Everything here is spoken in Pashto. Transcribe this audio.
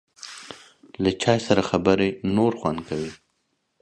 له چای سره خبرې نور خوند کوي.